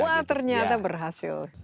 wah ternyata berhasil